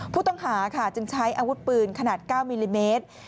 ผู้ต้องหาค่ะจึงใช้อาวุธปืนขนาด๙มิลลิเมตร